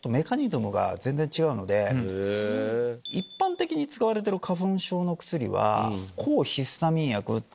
一般的に使われてる花粉症の薬は抗ヒスタミン薬。